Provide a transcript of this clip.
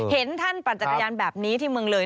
เห็นท่านปั่นจักรยานแบบนี้ที่เมืองเลย